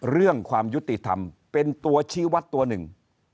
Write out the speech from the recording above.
เรื่องความยุติธรรมเป็นตัวชี้วัดตัวหนึ่ง